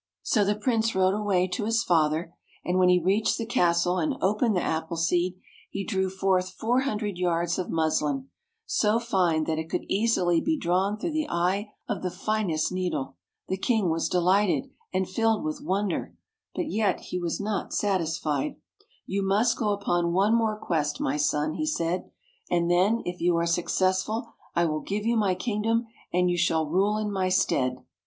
So the Prince rode away to his father, and when he reached the castle and opened the apple seed, he drew forth four hundred yards of muslin, so fine that it could easily be drawn through the eye of the finest needle ! The King was delighted, and filled with wonder; but yet he was not satisfied. [ 68 ] THE WHITE CAT " You must go upon one more quest, my son," he said, " and then, if you are success ful, I will give you my kingdom, and you shall rule in my stead.